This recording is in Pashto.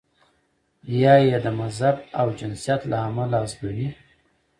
یا یې د مذهب او جنسیت له امله حذفوي.